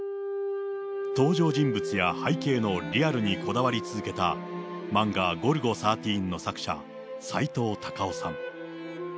登場人物や背景のリアルにこだわり続けた漫画、ゴルゴ１３の作者、さいとう・たかをさん。